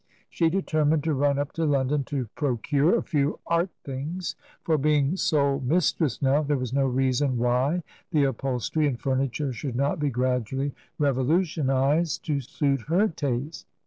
She determined to run up to London to procure a few " art things," for, being sole mistress now, there was no reason why the uphol stery and furniture should not be gradually revolution ized to suit her taste.